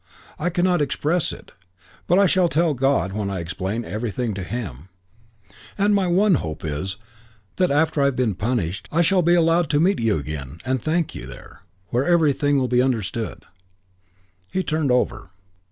I cannot express it; but I shall tell God when I explain everything to him; and my one hope is that after I have been punished I shall be allowed to meet you again, and thank you there, where everything will be understood. He turned over.